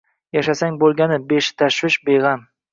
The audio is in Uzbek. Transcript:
Yashasang bo’lgani betashvish, beg’am.